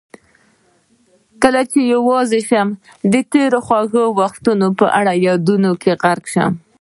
کله چې یوازې شم د تېرو خوږو وختونه په یادونو کې غرق شم.